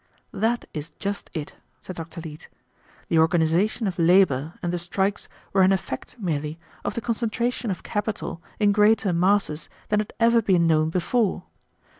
"That is just it," said Dr. Leete; "the organization of labor and the strikes were an effect, merely, of the concentration of capital in greater masses than had ever been known before.